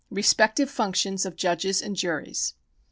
Respective Functions of Judges and Juries.